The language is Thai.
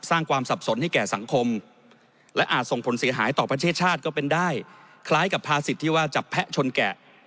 สร้างความสับสนให้แก่สังคมและอาจส่งผลเสียหายต่อประเทศชาติก็เป็นได้คล้ายกับภาษิตที่ว่าจับแพะชนแกะ